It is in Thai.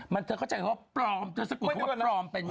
มันเธอเข้าใจว่าพร้อมเธอสกุร์ทว่าพร้อมเป็นไหม